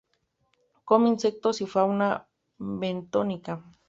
Come insectos y fauna bentónica.